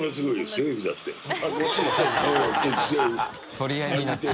取り合いになってる。